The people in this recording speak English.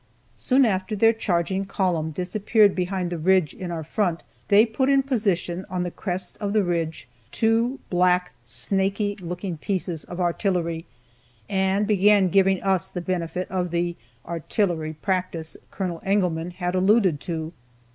Soon after their charging column disappeared behind the ridge in our front, they put in position on the crest of the ridge two black, snaky looking pieces of artillery, and began giving us the benefit of the "artillery practice" Col. Engelmann had alluded to.